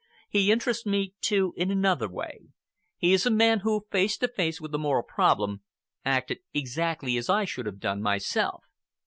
He interests me, too, in another way. He is a man who, face to face with a moral problem, acted exactly as I should have done myself!"